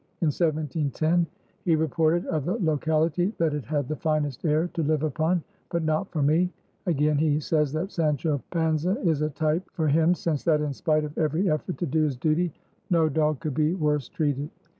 In 1710 he reported of the locality that it "had the finest air to live upon; but not for me"; again he says that Sancho Panza is a type for him, since that in spite of every effort to do his duty no dog could be worse treated.